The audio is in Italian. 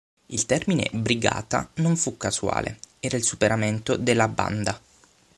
Il termine "brigata" non fu casuale: era il superamento della "banda".